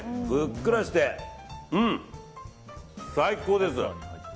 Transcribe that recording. ふっくらして最高です。